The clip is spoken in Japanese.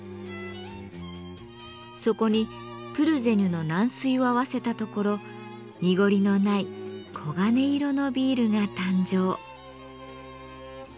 そこにプルゼニュの軟水を合わせたところ濁りのない黄金色のビールが誕生。